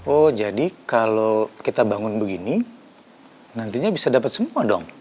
oh jadi kalau kita bangun begini nantinya bisa dapat semua dong